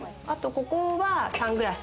ここはサングラス。